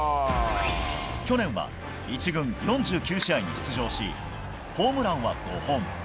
去年は１軍４９試合に出場しホームランは５本。